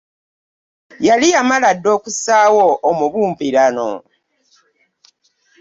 Yali yamala dda okussaawo omubumbirano